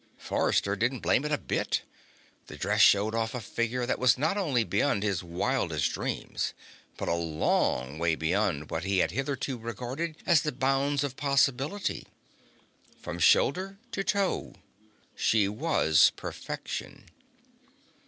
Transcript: Forrester didn't blame it a bit; the dress showed off a figure that was not only beyond his wildest dreams, but a long way beyond what he had hitherto regarded as the bounds of possibility. From shoulder to toe, she was perfection.